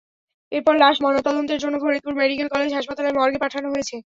এরপর লাশ ময়নাতদন্তের জন্য ফরিদপুর মেডিকেল কলেজ হাসপাতালের মর্গে পাঠানো হয়েছে।